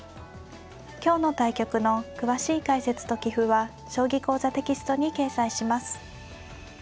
今日の対局の詳しい解説と棋譜は「将棋講座」テキストに掲載します。